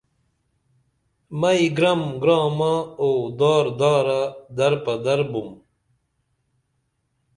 مئی گرم گرام او دار دارہ در پدر بُم